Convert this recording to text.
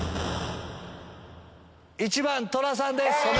１番トラさんです！